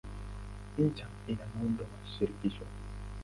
Nchi ina muundo wa shirikisho.